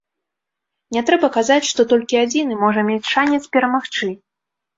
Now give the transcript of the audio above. Не трэба казаць, што толькі адзіны можа мець шанец перамагчы.